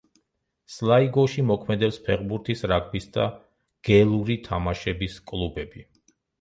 სლაიგოში მოქმედებს ფეხბურთის, რაგბის და გელური თამაშების კლუბები.